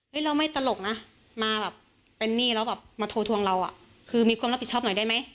เราไม่ตลกนะมาแบบเป็นหนี้แล้วแบบมาโทรทวงเราอ่ะคือมีความรับผิดชอบหน่อยได้ไหม